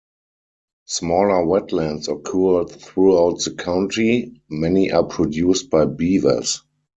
Smaller wetlands occur throughout the county; many are produced by beavers.